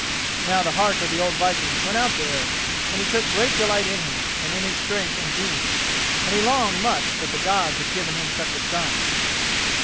Now the heart of the old viking went out to Eric, and he took great delight in him and in his strength and deeds, and he longed much that the Gods had given him such a son.